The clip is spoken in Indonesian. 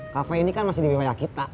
kafe ini kan masih di wilayah kita